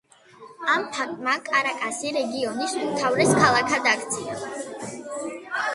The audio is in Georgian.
ამ ფაქტმა, კარაკასი რეგიონის უმთავრეს ქალაქად აქცია.